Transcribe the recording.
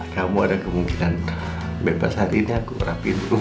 kamu ada kemungkinan bebas hari ini aku rapiin uruh